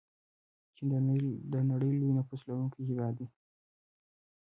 چین د نړۍ لوی نفوس لرونکی هیواد دی.